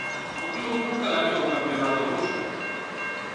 O club nunca gañou o campionato ruso.